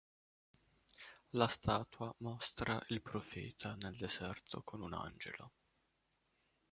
La statua mostra il profeta nel deserto con un angelo.